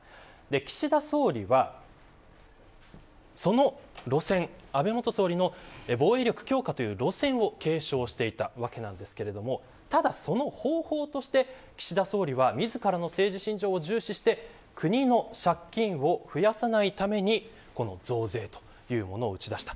岸田総理はその路線安倍元総理の防衛力強化という路線を継承していたわけなんですがただ、その方法として岸田総理は自らの政治信条を重視して国の借金を増やさないために増税というものを打ち出した。